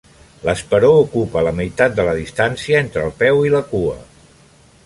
L'esperó ocupa la meitat de la distància entre el peu i la cua.